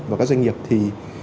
và các doanh nghiệp thì